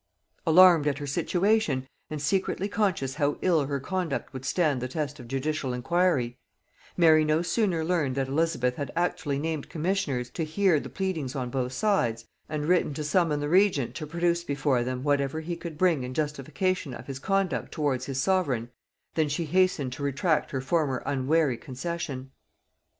Alarmed at her situation, and secretly conscious how ill her conduct would stand the test of judicial inquiry, Mary no sooner learned that Elizabeth had actually named commissioners to hear the pleadings on both sides, and written to summon the regent to produce before them whatever he could bring in justification of his conduct towards his sovereign, than she hastened to retract her former unwary concession.